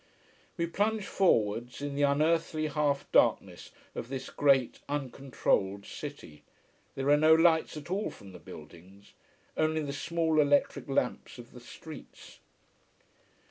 We plunge forwards in the unearthly half darkness of this great uncontrolled city. There are no lights at all from the buildings only the small electric lamps of the streets.